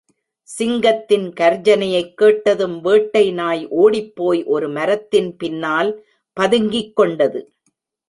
சிங்கத்தின் கர்ஜனையைக் கேட்டதும் வேட்டை நாய் ஓடிப்போய் ஒரு மரத்தின் பின்னல் பதுங்கிக் கொண்டது.